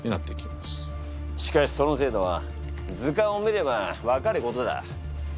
しかしその程度は図鑑を見れば分かることだ。